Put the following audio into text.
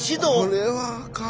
これはあかん。